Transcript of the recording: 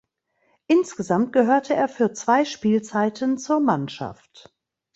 Insgesamt gehörte er für zwei Spielzeiten zur Mannschaft.